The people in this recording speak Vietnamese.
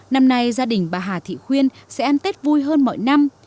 năm nay gia đình bà hà thị khuyên sẽ ăn tết vui hơn mọi năm